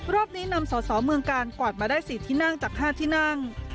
รอบนี้นำสอสอเมืองกาลกวาดมาได้๔ที่นั่งจาก๕ที่นั่ง